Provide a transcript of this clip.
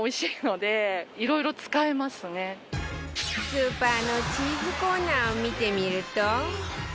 スーパーのチーズコーナーを見てみると